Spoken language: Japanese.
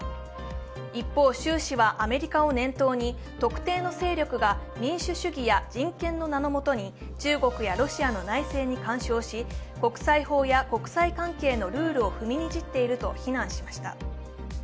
一方、習氏はアメリカを念頭に特定の勢力が民主主義や人権の名の下に中国やロシアの内政に干渉し、国際法や国際関係のルールを踏みにじっていると非難しました。